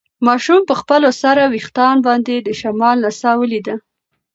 ماشوم په خپلو سره وېښتان باندې د شمال نڅا ولیده.